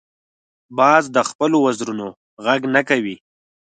باز د خپلو وزرونو غږ نه کوي